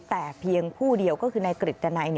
แต่เพียงผู้เดียวก็คือนายกฤตนัย